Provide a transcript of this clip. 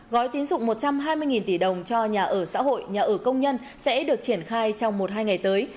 gói tín dụng một trăm hai mươi tỷ đồng cho nhà ở xã hội nhà ở công nhân sẽ được triển khai trong một hai ngày tới